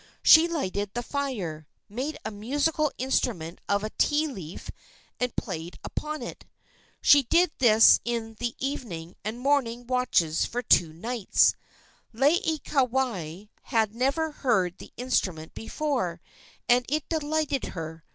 She lighted the fire, made a musical instrument of a ti leaf and played upon it. She did this in the evening and morning watches for two nights. Laieikawai had never heard the instrument before, and it delighted her.